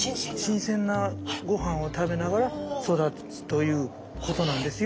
新鮮なごはんを食べながら育つということなんですよ。